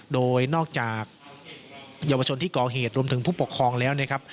โดยนอกจากเยาวชนที่ก่อเหตุรวมถึงผู้ปกครองแล้วนะครับ